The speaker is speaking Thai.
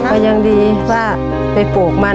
ฉันค่อยอย่างดีว่าไปปลูกมัน